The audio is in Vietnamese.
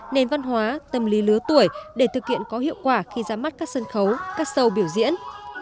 nền văn hóa tâm lý lứa tuổi để thực hiện có hiệu quả khi ra mắt các sân khấu các show biểu diễn